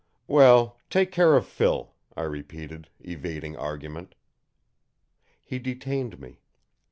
"Well, take care of Phil," I repeated, evading argument. He detained me.